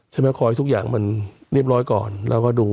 ใช่ไหมครับคอยทุกอย่างมันเรียบร้อยก่อนเราก็ดู